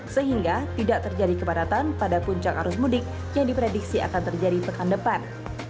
sehingga tidak terjadi kepadatan pada puncak arus mudik yang diprediksi akan terjadi pekan depan